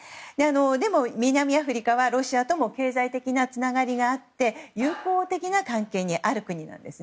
でも、南アフリカはロシアとも経済的なつながりがあり友好的な関係にある国なんです。